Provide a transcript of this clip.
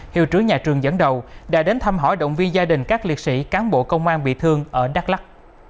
hiệu trưởng nhà trường dẫn đầu đã đến thăm hỏi động viên gia đình các liệt sĩ cán bộ công an bị thương ở đắk lắc